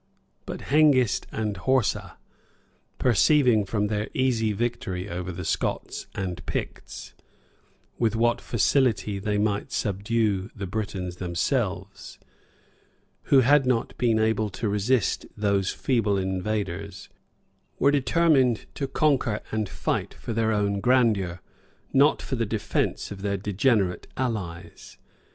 But Hengist and Horsa, perceiving, from their easy victory over the Scots and Picts, with what facility they might subdue tae Britons themselves, who had not been able to resist those feeble invaders, were determined to conquer and fight for their own grandeur, not for the defence of their degenerate allies.